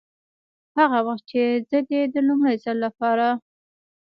هغه وخت چې زه دې د لومړي ځل دپاره